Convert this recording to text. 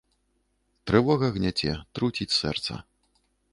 Трывога гняце, труціць сэрца.